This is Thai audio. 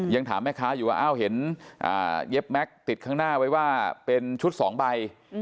ยังถามแม่ค้าอยู่ว่าอ้าวเห็นเย็บแม็กซ์ติดข้างหน้าไว้ว่าเป็นชุด๒ใบ